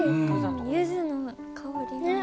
ゆずの香りがね。